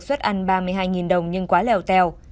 xuất ăn ba mươi hai đồng nhưng quá lèo tèo